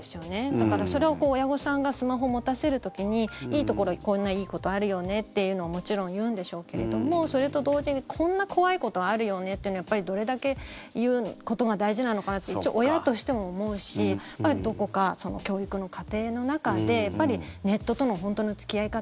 だから、それを親御さんがスマホを持たせる時にいいところ、こんないいことあるよねっていうのをもちろん言うんでしょうけれどもそれと同時にこんな怖いことあるよねっていうのをどれだけ言うことが大事なのかなって一応、親としても思うしどこかその教育の過程の中でネットとの本当の付き合い方。